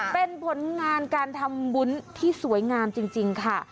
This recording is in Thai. เป็นผลงานการทำบุญที่สวยงามจริงค่ะ